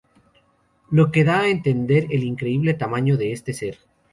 Lo que da a entender el increíble tamaño de este ser.